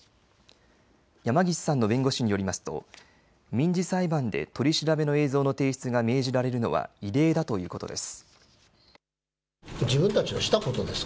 山岸さんの弁護士によりますと民事裁判で取り調べの映像の提出が命じられるのは異例だということです。